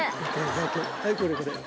はいこれこれ。